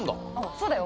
そうだよ。